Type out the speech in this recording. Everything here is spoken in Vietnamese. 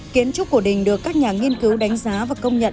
kiến trúc của đình được các nhà nghiên cứu đánh giá và công nhận